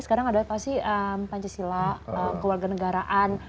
sekarang ada pasti pancasila keluarga negaraan